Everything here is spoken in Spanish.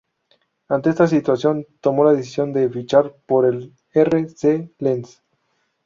Ante esta situación, tomó la decisión de fichar por el R. C. Lens.